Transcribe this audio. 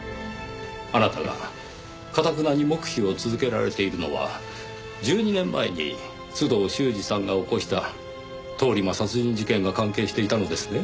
あなたが頑なに黙秘を続けられているのは１２年前に須藤修史さんが起こした通り魔殺人事件が関係していたのですね。